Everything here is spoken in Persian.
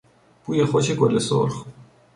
بوی خوش گل سرخ